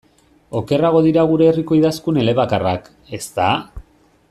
Okerrago dira gure herriko idazkun elebakarrak, ezta?